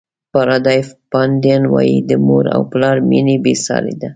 پاردیفا پاندین وایي د مور او پلار مینه بې سارې ده.